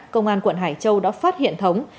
công an quận hải châu đã phát hiện thống